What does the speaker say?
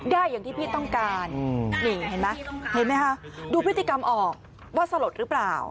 อย่างที่พี่ต้องการนี่เห็นไหมเห็นไหมคะดูพฤติกรรมออกว่าสลดหรือเปล่า